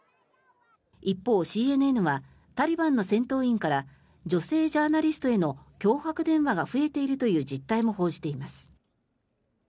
一方、ＣＮＮはタリバンの戦闘員から女性ジャーナリストへの脅迫電話が増えているという実態も報じています。